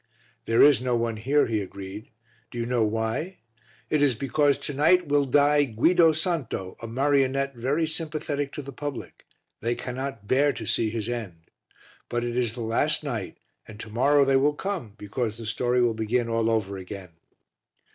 "There is no one here," he agreed; "do you know why? It is because to night will die Guido Santo, a marionette very sympathetic to the public, they cannot bear to see his end. But it is the last night and to morrow they will come because the story will begin all over again."